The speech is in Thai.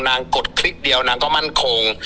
กดคลิกเดียวนางก็มั่นคง